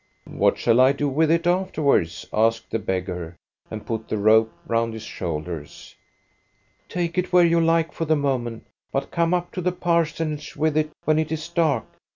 " What shall I do with it afterwards ?" asked the beggar, and put the rope round his shoulders. "Take it where you like for the moment, but come up to the parsonage with it when it is dark.